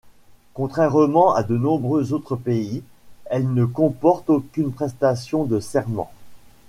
Contrairement à de nombreux autres pays, elle ne comporte aucune prestation de serment.